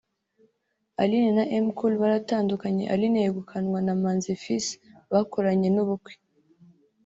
Aline na M Cool baratandukanye Aline yegukanwa na Manzi Fils bakoranye n’ubukwe